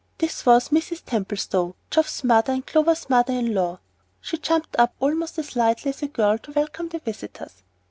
This was Mrs. Templestowe, Geoff's mother and Clover's mother in law. She jumped up almost as lightly as a girl to welcome the visitors.